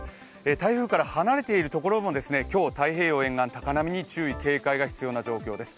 台風から離れているところも今日は太平洋沿岸、高波に注意・警戒が必要な状況です。